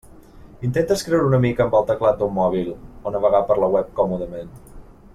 Intenta escriure una mica amb el teclat d'un mòbil, o navegar per la web còmodament.